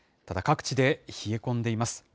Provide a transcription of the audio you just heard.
ただ各地で冷え込んでいます。